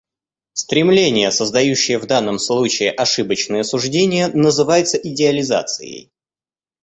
Стремление, создающее в данном случае ошибочное суждение, называется идеализацией.